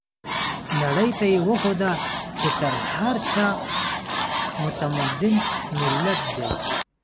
نړۍ ته يې وښوده چې تر هر چا متمدن ملت دی.